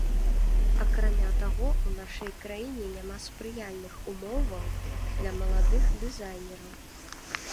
Акрамя таго, у нашай краіне няма спрыяльных умоваў для маладых дызайнераў.